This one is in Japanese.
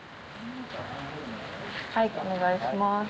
はいお願いします。